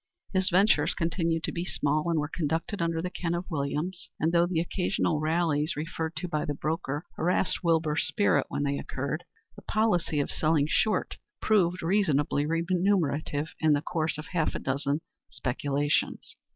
His ventures continued to be small, and were conducted under the ken of Williams, and though the occasional rallies referred to by the broker harassed Wilbur's spirit when they occurred, the policy of selling short proved reasonably remunerative in the course of half a dozen separate speculations.